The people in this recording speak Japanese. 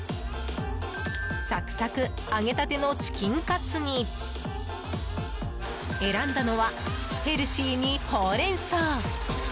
サクサク揚げたてのチキンカツに選んだのはヘルシーにほうれん草。